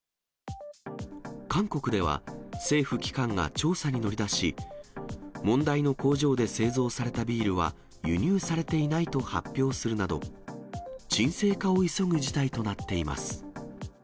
韓国では、政府機関が調査に乗り出し、問題の工場で製造されたビールは、輸入されていないと発表するなど、沈静化を急ぐ事態となっています。